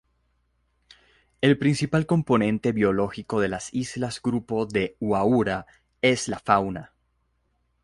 El principal componente biológico de las islas Grupo de Huaura es la fauna.